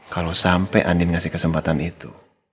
kalau sampai andi ngasih kesempatan itu